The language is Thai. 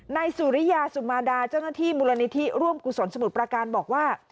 นายสุริยาสุมาดาเจ้าหน้าที่มูลนิธิร่วมกุศลสมุทรประการบอกว่า